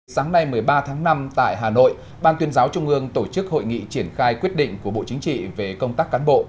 sáng nay một mươi ba tháng năm tại hà nội ban tuyên giáo trung ương tổ chức hội nghị triển khai quyết định của bộ chính trị về công tác cán bộ